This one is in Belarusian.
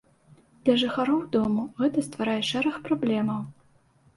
Для жыхароў дому гэта стварае шэраг праблемаў.